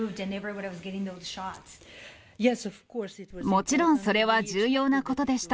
もちろん、それは重要なことでした。